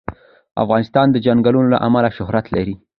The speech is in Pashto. افغانستان د چنګلونه له امله شهرت لري.